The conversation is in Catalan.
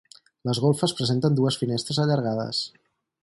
Les golfes presenten dues finestres allargades.